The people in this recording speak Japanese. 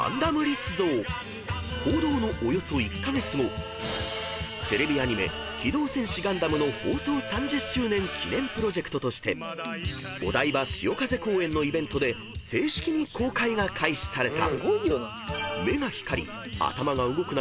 ［報道のおよそ１カ月後テレビアニメ『機動戦士ガンダム』の放送３０周年記念プロジェクトとしてお台場潮風公園のイベントで正式に公開が開始された］